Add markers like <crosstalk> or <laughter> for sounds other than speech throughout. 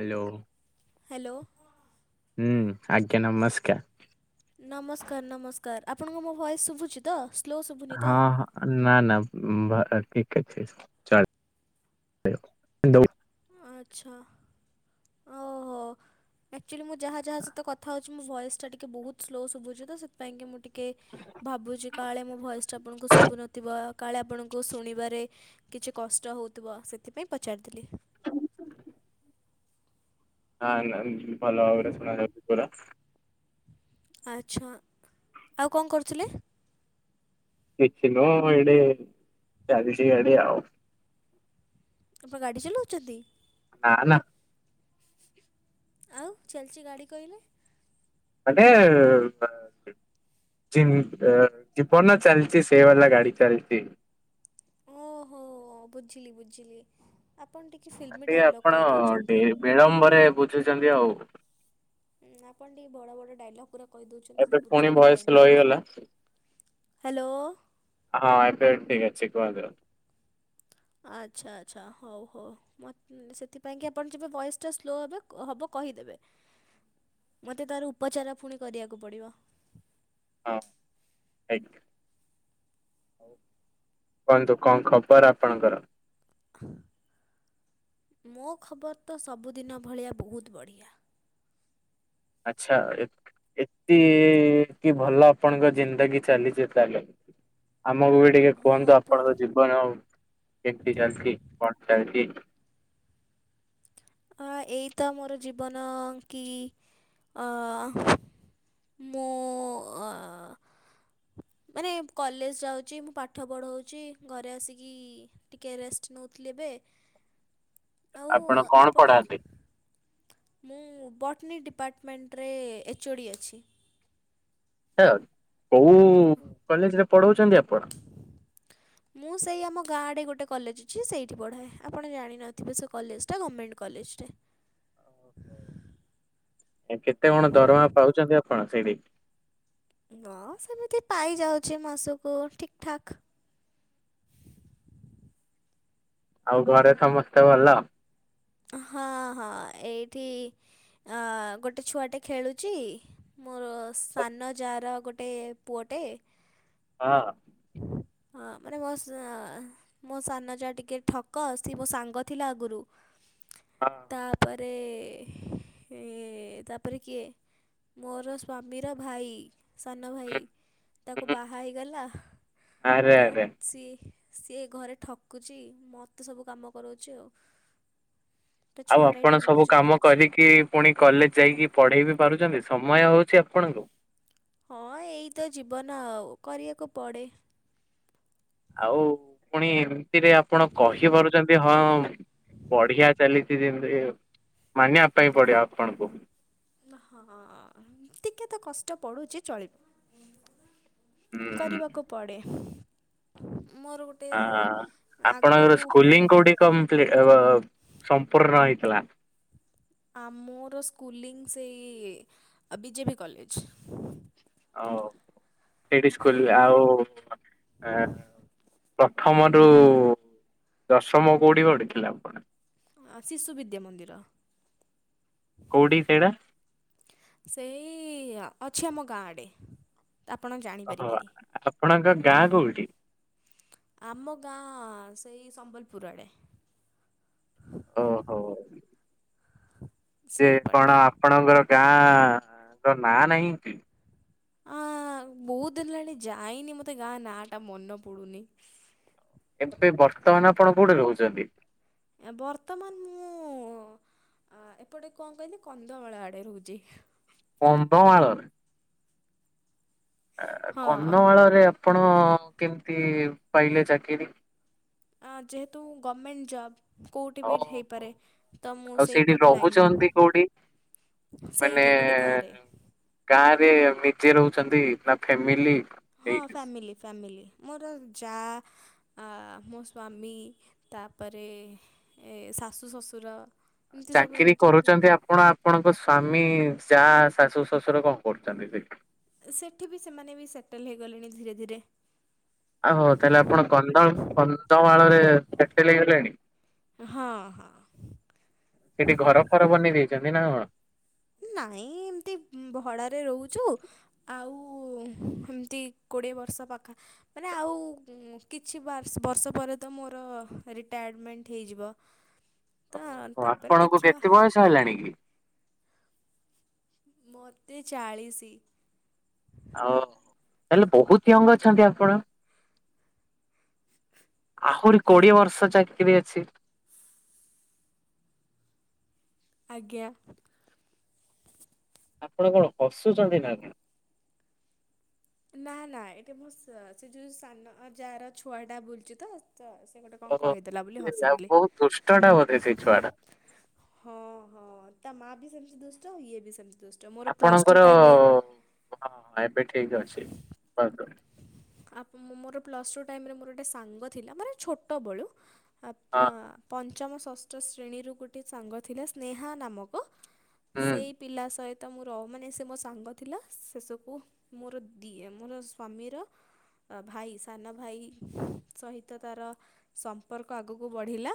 Hello. Hello. ହୁଁ ଆଜ୍ଞା ନମସ୍କାର। ନମସ୍କାର ନମସ୍କାର ଆପଣଙ୍କୁ ମୋ ଭଏସ ଶୁଭୁଛି ତ। ସ୍ଲୋ ଶୁଭୁନି ତ ହଁ ହଁ। ନା ନା <unintelligible> ଆଚ୍ଛା ଓହୋ। ଆକ୍ଚୁଆଲି ମୁଁ ଯାହା ଯହାସିତ କଥାଉଛି ମୋ ଭଏସ ଟା ଟିକେ ବୋହୂତୁ ସ୍ଲୋୁ ଶୁଭୁଛି ତ ସେଥିପାଇଁ କି ମୁଁ ଟିକେ କେ ଭାବୁଛି କାଳେ ମୋ ଭଏସ ଟା ଆପଣଙ୍କୁ ଶୁଭୁନଥିବ। କାଳେ ଆପଣଙ୍କୁ ଶୁଣିବାରେ କିଛି କଷ୍ଟ ହେଉଥିବ ସେଥିପାଇଁ ପଚାରିଥିଲି। <inaudible> ହା ନା ଭଲ ଭାବରେ ଶୁଣାାଯାଉଛି ପୁରା। ଆଚ୍ଛା ଆଉ କଂ କରୁଥିଲେ? କିଛି ନୁହ ଏଡେ ଚାଲିଛି ୟାଡେ ଆଉ। ଆପ ଗାଡି ଚଲଉଚନ୍ତି? ନା ନା। ଆଉ ଚାଲିଚି ଗାଡ଼ି କହିଲେ। ମାନେ ବ ଜିମ୍ ଏ ଜୀବନ ଚାଲିଚି ସେଇ ବାଲା ଗାଡି ଚାଲିଚି। ଓହୋ ବୁଝିଲି ବୁଝିଲି ଆପଣ ଟିକିଏ ଫିଲ୍ମୀ ଟିକେ ଡାଇଲଗ୍ ଆପଣ କହିଦଉଚନ୍ତି। ଡେ- ବିଳମ୍ବରେ ବୁଝୁଛନ୍ତି ଆଉ। ଉ ଆପଣ ଟିକେ ବଡ଼ ବଡ଼ ଡାଇଲଗ ପୁରା କହିଦେଉଚନ୍ତି ଏବେ ତ ପୁଣି ବୁଝିବାକୁ ଭଏସ ଟାଇମ୍ ସ୍ଲୋ ଲାଗୁଛି ହେଇଗଲା ହ୍ୟାଲୋ। ହଁ ଏବେ ଠିକ ଅଛି କୁହନ୍ତୁ। ଆଚ୍ଛା ଆଚ୍ଛା ହଉ ହଉ ମତେ ସେଥିପାଇଁ କିି ଆପଣ ଯିବେ ଭଏସ୍ ଟା ସ୍ଲୋ ହେବେ ଅ ହବ କହିଦେବେ। ମତେ ତାର ଉପଚାରା ଫୁଣି କରିବାକୁ ପଡ଼ିବ। ହଁ ଠିକ୍। କୁହନ୍ତୁ କଂ ଖବର ଆପଣଙ୍କର? <inaudible> ମୋ ଖବର ତ ସବୁଦିନ ଭଳିଆ ବହୁତ ବଢ଼ିଆ। ଆଚ୍ଛା ଏ ଏତି କି ଭଲ ଆପଣଙ୍କ ଜିନ୍ଦଗୀ ଚାଲିଛି ତାହେଲେ। ଆମକୁ ବି ଟିକେ କୁହନ୍ତୁ ହଁ ପୁ ଆପଣଙ୍କ ଜୀବନ ଆଉ କେମତି ଚାଲିଛି କଣ ଚାଲିଛି? ହଁ ଏଇ ତ ମୋର ଜୀବନ କି ଅ ମୁଁ ଅ ଆ ମାନେ କଲେଜ ଯାଉଛି ମୁଁ ପାଠ ପଢ଼ଉଛି ଘରେ ଆସିକି ଟିକେ ରେଷ୍ଟ ନଉଥିଲି ଏବେ <inaudible> ଆଉ କଣ ଆପଣ ପଢାନ୍ତି? ଖ୍ ମୁଁ ବଟନୀ ଡିପାର୍ଟମେଣ୍ଟରେ ଏଚ୍ ଓ ଡ଼ି ଅଛି। <inaudible> କୋଉ କଲେଜରେ ପଢଉଚନ୍ତି ଆପଣ। ମୁଁ ସେଇ ଆମ ଗାଁଆଡ଼େ ଗୋଟେ କଲେଜ ଅଛି ସେଇଠି ପଢ଼ାଏ ଆପଣ ଜାଣିନଥିବେ ସେ କଲେଜଟା ଗମେଣ୍ଟ କଲେଜଟେ। ଏ କେତେ କଣ ଦରମା ପାଉଚନ୍ତି ଆପଣ ସେଇଟି? ହ ସେମିତି ପାଇ ଯାଉଛି ମାସକୁ ଠିକ ଠାକ୍। ଆଉ ଘରେ ସମସ୍ତେ ଭଲ ହଁ ହଁ ଏଇଠି ଆ ଗୋଟେ ଛୁଆଟେ ଖେଳୁଚି। ମୋର ହଁ ସାନ ଯାର ଗୋଟେ ପୁଅଟେ। ହଁ। ହଁ ମାନେ ଘସା ଆଁ ମୋ ସାନ ଯା ଟିକେ ଠକ ସେ ମୋ ସାଙ୍ଗ ଥିଲା ଆଗୁରୁ ହଁ ତାପରେ ରେ ଏ ତାପରେ କିଏ? ମୋର ସ୍ଵାମୀର ଭାଇ ସାନ ଭାଇ ତାକୁ ହୁଁ ବାହା ହେଇଗଲା। ଆରେ ତ ଆରେ ସିଏ ସିଏ ଘରେ ଠକୁଚି। ମତେ ସବୁ କାମ କରଉଛି ଆଉ। ତା ଆଉ ଛୁଆଟା ଏଠି ଅପଣ ସବୁ ବୁଲୁଛି କାମ ଖେଳୁଛି କରିକି ପୁଣି କଲେଜ ଯାଇକି ପଢ଼େଇ ବି ପାରୁଚନ୍ତି ସମୟ ହେଉଚି ଆପଣଙ୍କୁ ହଁ ଏଇ ତ ଜୀବନ ଆଉ କରିବାକୁ ପଡେ। ଆଉ ପୁଣି ସେଥିରେ ଆପଣ କହିପାରୁଚନ୍ତି ହଁ ବଢିଆ ଚାଲିଚି ଯେମିତି ମାନିବା ପାଇଁ ପଡ଼ିବ ଆପଣଙ୍କୁ। ହଁ ଟିକେ ତ କଷ୍ଟ ପଡୁଚି ଚଳିବ। କରିବାକୁ ପଡେ ମୋର ଗୋଟେ ଆ ଆପଣଙ୍କର ଆଗରୁ ସ୍କୁଲିଂ କୋଉଠି କମପ୍ଲି ସମ୍ପୂର୍ଣ ହେଇଥିଲା? ଆ ମୋର ସ୍କୁଲିଂ ସେଇ ବିଜେପି କଲେଜ ହଉ ସେଇଠି ସ୍କୁଲ ଆଉ ଏଁ ପ୍ରଥମରୁ ଦଶମ କୋଉଠି ପଢିଥିଲେ ଆପଣ? ଶିଶୁ ବିଦ୍ୟା ମନ୍ଦିର। କଉଠି ସେଇଡା? ସେଇ ଅଛି ଆମ ଗାଁ ଆଡେ। ତ ଆପଣ ଜାଣି ଅହ ଆପଣଙ୍କ ଗାଁ କୋଉଠି? ଆମ ଗାଁ ସେଇ ସମ୍ବଲପୁର ଆଡେ। ଓହୋ। ଚେ ସେଇ କଣ ପଟେରେ। ଆପଣଙ୍କର ଗାଁ ର ନା ନାହିଁ କି? ଆ ବହୁତ ଦିନ ହେଲାଣି ଯାଇନି ମତେ ଗାଁ ନା ଟା ମନେ ପଡୁନି। ଏବେ ବର୍ତ୍ତମାନ ଆପଣ କୋଉଠି ରହୁଚନ୍ତି? ଏ ବର୍ତ୍ତମାନ ମୁଁ ଆ ଏପଟେ ଙ୍କ କହିଲି କନ୍ଧମାଳ ଆଡ଼େ ରହୁଚି। କନ୍ଧମାଳରେ ହଁ। କନ୍ଧମାଳରେ ଆପଣ କେମତି ପାଇଲେ ଚାକିରି? ଆ ଯେହେତୁ ଗମେଣ୍ଟ ଜବ୍ କୋଉଠି ବି ଓହୋ। ହେଇପାରେ ତ ମୁଁ ଆଉ ସେଇଠି ସେଇପଟ ରହୁଛନ୍ତି କୋଉଠି ଲାଇନରେ। ସେଇଠି ଗୋଟେ ଗାଁରେ। ଗାଁରେ ନିଜେ ରହୁଛନ୍ତି ନା ଫେମିଲି ହଁ ଫ୍ୟାମିଲି ଫ୍ୟାମିଲି ମୋର ଯା ଆ ମୋ ସ୍ଵାମୀ ତାପରେ ଏ ଶାଶୁ ଶଶୁର ଚାକିରି କରୁଚନ୍ତି ଆପଣ ଆପଣ ଆପଣଙ୍କ ସ୍ଵାମୀ ଯ ଶାଶୁ ଶ୍ୱଶୁର କଣ କରୁଛନ୍ତି ସେ। ସେଠି ବି ସେମାନେ ବି ସେଟଲ୍ ହେଇଗଲେଣି ଧୀରେ ଧୀରେ। ଆହୋ ତାହେଲେ ଆପଣ କଧଳ କନ୍ଧମାଳରେ ସେଟେଲେ ହେଇଗଲେଣି। ହଁ ହଁ। ସେଠି ଘର ଫର ବନେଇ ଦେଇଛନ୍ତି ନା କଣ? ନାଇଁ ଏମତି ଭଡାରେ ରହୁଚୁ। ଆଉ ଏମିତି କୋଡ଼ିଏ ବର୍ଷ ପାଖା ମାନେ ଆଉ କିଛି ବ ବର୍ଷ ପରେ ତ ମୋର ରିଟାୟାରମେଣ୍ଟ ହେଇବ ଓହୋ ଆପଣଙ୍କୁ କେତେ ବୟସ ହେଲାଣି କି ମୋତେ ଚାଳିଶି। ଆଉ ତାଲେ ବହୁତ ୟଙ୍ଗ ଅଛନ୍ତି ଆପଣ। ଆହୁରି କୋଡିଏ ବର୍ଷ ଚାକିରିୀ ଅଛି। ଆଜ୍ଞା ଆପଣ କଣ ହସୁଛନ୍ତି ନା କଣ। ନା ନା ଏଠି ମୋ ସେ ଯୋଉ ସାନ ଯା ର ଛୁଆ ଟା ବୁଲୁଚି ତ ସେ ଗୋଟେ। କଣ ଓହୋ କହିଦେଲା ବୋଲି ସେ ଆଉ ହସିଥିଲି। ବହୁତ ଦୁଷ୍ଟ ଟା ବୋଧେ ସେଇ ଛୁଆ ଟା ହଁ ହଁ ତା ମା ବି ସେମିତି ଦୁଷ୍ଟ ଇଏ ବି ସେମିତି ଦୁଷ୍ଟ ମୋର ପ୍ଲସ୍ ଟୁ ଆପଣଙ୍କର ଟାଇମରେ ହଁ ଏବେ ଠିକ ଅଛି ମୋର ପ୍ ଟ ମୋର ଗୋଟେ ସାଙ୍ଗ ଥିଲା ମ ଛୋଟ ବେଳୁ ଆ ହଁ ପଞ୍ଚମ ଷଷ୍ଠ ଶ୍ରେଣୀରୁ ଗୋଟେ ସାଙ୍ଗ ଥିଲା ସ୍ନେହା ନାମକ। ହୁଁ ସେଇ ପିଲା ସହିତ ମୋର ମାନେ ସେ ମୋ ସାଙ୍ଗ ଥିଲା ଶେସବକୁ ମୋର ଦିଏ ମୋର ମମିର ଭାଇ ସାନ ଭାଇ ସହିତ ତାର ସମ୍ପର୍କ ଆଗକୁ ବଢିଲା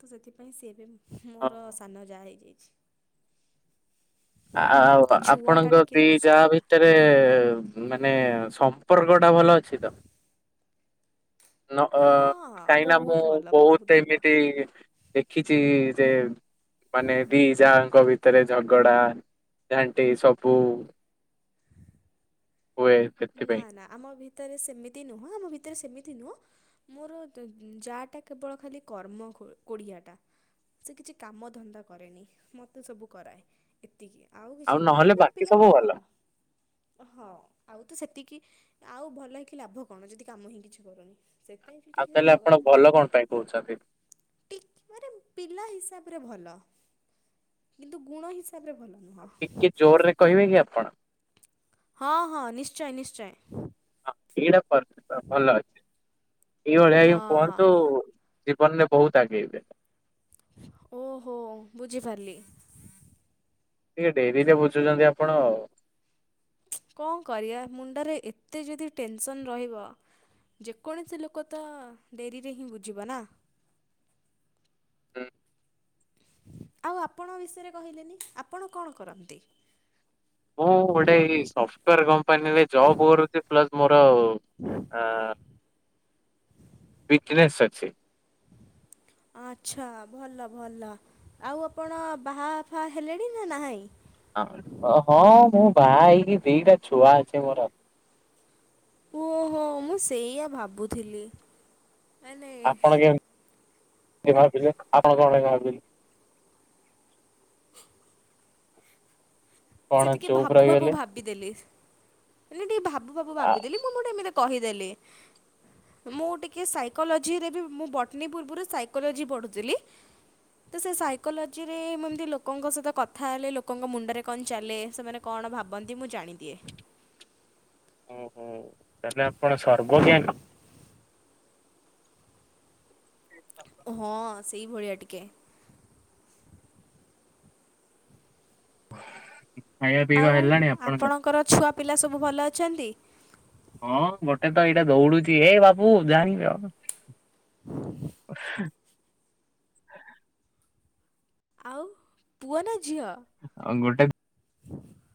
ତ ସେଥିପାଇଁ ସିଏ ଏବେ ହଁ। ମୋର ସାନ ଯାହା ହେଇଯାଇଛି। ଆଉ ତା ଛୁଆଟା ଆପଣଙ୍କ ଟିକେ ଦି ଯାହା ଦୁଷ୍ଟଟା ଭିତରେ ମାନେ ସମ୍ପର୍କ ଟା ଭଲ ଅଛି ତ? ନ ହଁ କାହିଁ ନା ମୁଁ ବହୁତ ଭଲ ବହୁତ ବୋହୁତ ଭଲ। ଏମିତି ଦେଖିଛି ଯେ ମାନେ ଦି ଯାଙ୍କ ଭିତରେ ଝଗଡା ଯାଣ୍ଟି ସବୁ ହୁଏ। ନା ସେଥିପାଇଁ ନା ଆମ ଭିତରେ ସେମିତି ନୁହଁ ଆମ ଭିତରେ ସେମିତି ନୁହଁ। ମୋର ଯାଟା କେବଳ ଖାଲି କର୍ମ କୋଡ଼ିଆଟା। ସେ କିଛି କାମ ଧନ୍ଦା କରେନି ମତେ ସବୁ କରାଏ। ଏତିକି ଆଉ କିଛି ନୁହ ନହେଲେ ପିଲାଟା ଭଲ ହଁ। ଆଉ ତ ସେତିକି ଆଉ ଭଲ ହେଇକି ଲାଭ କଣ ଯଦି କାମ ହିଁ କିଛି କରୁନି। ସେଥିପାଇଁ ଟିକେ ଆଉ ତାହେଲେ ଆପଣ ଭଲ କଣ ପାଇଁ କହୁଛନ୍ତି? ଟ ମାନେ ପିଲା ହିସାବରେ ଭଲ। କିନ୍ତୁ ଗୁଣ ହିସାବ ରେ ଭଲ <unintelligible> ଆଉ ଟିକେ ଜୋରରେ କହିବେ କି ଆପଣ। ହଁ ହଁ ନିଶ୍ଚୟ ନିଶ୍ଚୟ। ହଁ ଏଇଟା ଭଲ ଅଛି ଏଇଭଳିଆ ହଁ ଆ କୁହନ୍ତୁ। ହଁ। ଜୀବନ ରେ ବହୁତ ଆଗେଇବେ। ଓହୋ ବୁଝିପାରିଲି। ଟିକେ ଡେରିରେ ବୁଝୁଛନ୍ତି ଆପଣ ଆଉ। କ ଣ କରିବା ମୁଣ୍ଡରେ ଏତେ ଯଦି ଟେନସନ୍ ରହିବ। ଯେକୌଣସି ଲୋକ ତ ଡେରିରେ ହିଁ ବୁଝିବ ନା ହ ଆଉ ଆପଣଙ୍କ ବିଷୟରେ କହିଲେନି ଆପଣ କଣ କରନ୍ତି? ମୁଁ ଗୋଟେ ଏଇ ସଫ୍ଟୱୋର କମ୍ପାନୀରେ ଜବ୍ କରୁଛି ପ୍ଲସ୍ ମୋର ଆ ବିଜନେସ୍ ଅଛି। ଆଚ୍ଛା ଭଲ ଭଲ ଆଉ ଆପଣ ବାହା ଫା ହେଲେଣି ନା ନାହିଁ। ହଁ ମୁଁ ବାହା ହେଇକି ଦିଟା ଛୁଆ ଅଛି ମୋର ଓହୋ ମୁଁ ସେଇଆ ଭାବୁଥିଲି ଆନେ ଇ କିଏ ଭାବିଥିଲେ ଆପଣ କଣ ପାଇଁ ଭାବିଥିଲେ କଣ ସେ ଟିକେ ଚୁପ୍ ଭାବୁ ଭାବୁ ରହିଗଲେ? ଭାବିଦେଲି ମାନେ ଟିକେ ଭାବୁ ଭାବୁ ଭାବିଦେଲି ମୁଁ ଗୋଟେ ଏମିତି କହିଦେଲି ମୁଁ ଟିକିଏ ସାଇକୋଲୋଜିରେ ବି ମୁଁ ବଟନୀ ପୂର୍ବରୁ ସାଇକୋଲୋଜି ପଢ଼ୁଥିଲି। ତ ସେ ସାଇକୋଲୋଜିରେ ଏମିତି ଲୋକଙ୍କ ସହିତ କଥା ହେଲେ ଲୋକଙ୍କ ମୁଣ୍ଡରେ କ ଚାଲେ ସେମାନେ କଣ ଭାବନ୍ତି ମୁଁ ଜାଣିଦିଏ। ଓହୋ ତାହେଲେ ଆପଣ ସଵର୍ଗଜ୍ଞା କି ହଁ ସେଇଭଳିଆ ଟିକେ <unintelligible> ଆଉ ଆପଣଙ୍କର ଛୁଆ ପିଲା ସବୁ ଭଲ ଅଛନ୍ତି। ହଁ ଗୋଟେ ତ ଏଇଟା ଦୌଡୁଛି ଏଇ ବାବୁ ଜାଣିବେ ଆଉ <inaudible> ଆଉ ପୁଅ ନା ଝିଅ? ଆଉ ଗୋଟେ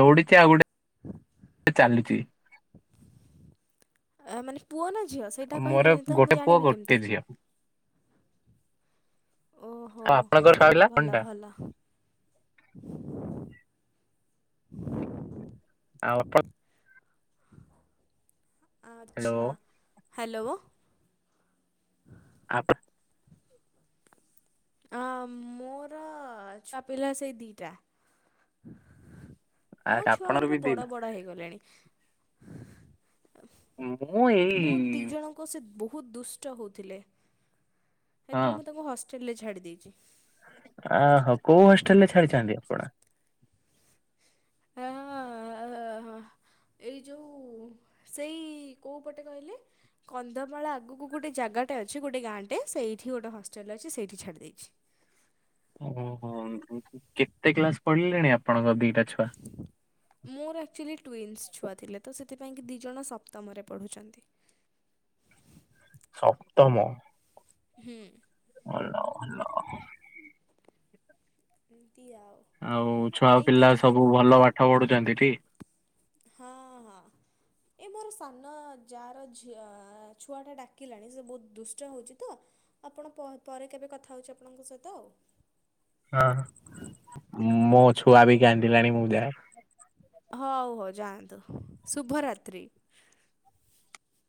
ଦୌଡିଛି ଆଉ ଗୋଟେ ଚାଲୁଚି ଏ ମାନେ ପୁଅ ନା ଝିଅ ସେଇଟା ମୋର କହିଲେଣିି ତ ଗୋଟେ ମୁଁ ପୁଅ ଜାଣିବି ଗୋଟେ କେମିତି ଝିଅ ଆଉ ଆପଣଙ୍କର ଖାଉଲା କଣ ଟା ବିଲ ହ ଆଉ ଆପଣ ହ୍ୟାଲୋ। ଆଛା ହ୍ୟାଲୋ। ଆପଣ। <unintelligible> ଆ ମୋର ଛୁଆ ପିଲା ସେଇ ଦିଟା। ମୋ ଛୁଆ ଆପଣଙ୍କର ବି ଗୁରା ଦିଟା ବଡ ବଡ ହେଇଗଲେଣି। ମୁଁ ଏଇ ମୁଁ ଦି ଜଣଙ୍କୁ କୋସେ ବହୁତ ଦୁଷ୍ଟ ହଉଥିଲେ ହଁ ସେଥିପାଇଁ। ମୁଁ ତାଙ୍କୁ ହଷ୍ଟେଲରେ ଛାଡି ଦେଇଛି। ଆହୋ କୋଉ ହଷ୍ଟେଲ ରେ ଛାଡିଛନ୍ତି ଆପଣ? <inaudible> ହଁ ଏଇ ଯୋଉଁ ସେଇ କୋଉଁ ପଟେ କହିଲେ। କନ୍ଧମାଳ ଆଗକୁ ଗୋଟେ ଜାଗାଟା ଅଛି ଗୋଟେ ଗାଁଟେ ସେଇଠି ଗୋଟେ ହଷ୍ଟେଲ ଅଛି ସେଇଠି ଛାଡ଼ି ଦେଇଛି। ଓହୋ କେତେ କ୍ଲାସ ପଢିଲେଣି ଆପଣଙ୍କ ଦିଟା ଛୁଆ? <inaudible> ମୋର ଆକ୍ଚୁଆଲି ଟ୍ୱିନ୍ସ୍ ଛୁଆ ଥିଲେ ତ ସେଥିପାଇଁକି ଦୁଇଜଣ ସପ୍ତମରେ ପଢ଼ୁଛନ୍ତି। ସପ୍ତମ। ହୁଁ। ଭଲ ଭଲ। ଏମିତିଆଉ। ଆଉ ଛୁଆ ପିଲା ସବୁ ଭଲ ପାଠ ପଢୁଛନ୍ତି ଟି। ହଁ ହଁ। ଏ ମୋର ସାନ ଯାର ଝିଅ ଛୁଆଟା ଡାକିଲାଣି ସେ ବହୁତ ଦୁଷ୍ଟ ହଉଛି ତ। ଆପଣ ପରେ କେବେ କଥା ହେଉଛି ଆପଣଙ୍କ ସହିତ ଆଉ। ହଁ ମୋ ଛୁଆ ବି କାନ୍ଦିଲାଣି ମୁଁ ଯାଏ। ହଉ ହଉ ଯାଆନ୍ତୁ ଶୁଭରାତ୍ରି।